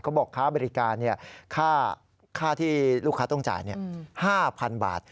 บอกค้าบริการค่าที่ลูกค้าต้องจ่าย๕๐๐๐บาท